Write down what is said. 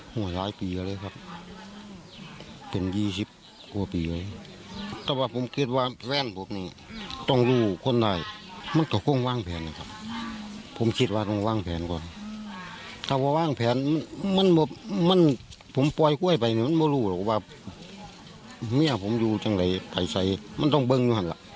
ฮ่าหน้าเรื่องมันมีปัญหาหัวหาลายปีเลยครับเป็น๒๐กว่าปีเลย